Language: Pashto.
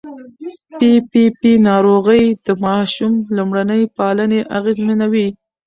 پي پي پي ناروغي د ماشوم لومړني پالنې اغېزمنوي.